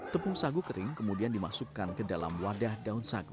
tepung sagu kering kemudian dimasukkan ke dalam wadah daun sagu